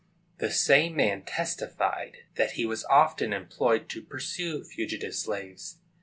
[The same man testified that he was often employed to pursue fugitive slaves.